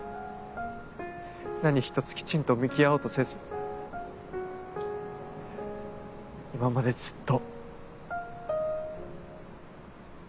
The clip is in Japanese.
何一つきちんと向き合おうとせず今までずっと。